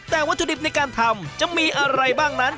แต่วัตถุดิบในการทำจะมีอะไรบ้างนั้น